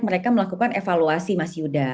mereka melakukan evaluasi masih udah